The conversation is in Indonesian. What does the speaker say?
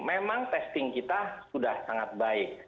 memang testing kita sudah sangat baik